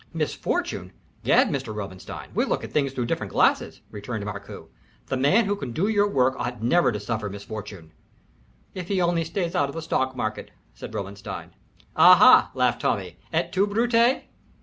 "Misfortune? Gad, Mr. Robinstein, we look at things through different glasses," returned Markoo. "The man who can do your work ought never to suffer misfortune " "If he only stays out of the stock market," said Robinstein. "Aha," laughed Tommy. "Et tu, Brute?"